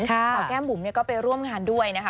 สาวแก้มบุ๋มก็ไปร่วมงานด้วยนะคะ